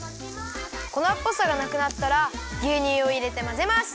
こなっぽさがなくなったらぎゅうにゅうをいれてまぜます！